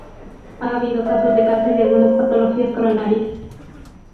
Ha habido casos de cáncer y algunas patologías coronarias.